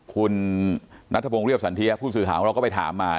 คุณนัทพงศ์เรียบสันเทียผู้สื่อข่าวของเราก็ไปถามมา